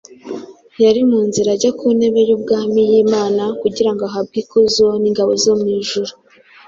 Yari mu nzira ajya ku ntebe y’ubwami y’Imana kugira ngo ahabwe ikuzo n’ingabo zo mu ijuru.